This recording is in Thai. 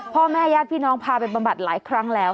พ่อแม่ญาติพี่น้องพาไปบำบัดหลายครั้งแล้ว